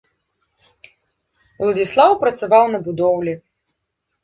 Уладзіслаў працаваў на будоўлі.